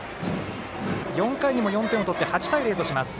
４回にも４点を取って８対０とします。